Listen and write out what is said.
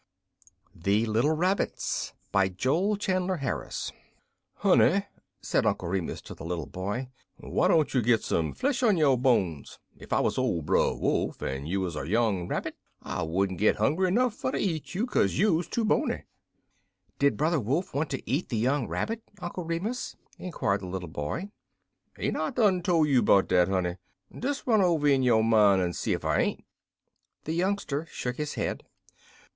The Little Rabbits JOEL CHANDLER HARRIS "Honey," said Uncle Remus to the little boy, "why don' you git some flesh on yo' bones? If I wuz ole Brer Wolf en you wuz a young rabbit, I wouldn't git hongry 'nuff fer ter eat you, caze you's too bony." [Footnote 6: From Uncle Remus and his Friends.] "Did Brother Wolf want to eat the young rabbit, Uncle Remus?" inquired the little boy. "Ain't I done tole you 'bout dat, honey? Des run over in yo' min' en see ef I ain't." The youngster shook his head.